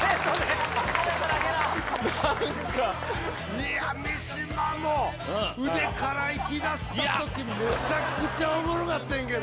いや三島も腕からいきだしたときめちゃくちゃおもろかってんけど。